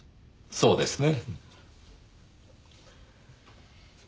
そうですね。